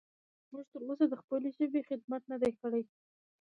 موږ تر اوسه د خپلې ژبې خدمت نه دی کړی.